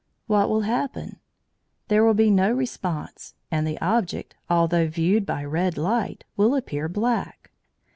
What will happen? There will be no response, and the object, although viewed by "red light," will appear black.